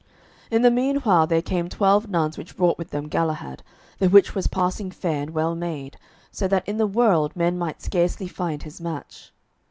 In the meanwhile there came twelve nuns which brought with them Galahad, the which was passing fair and well made, so that in the world men might scarcely find his match.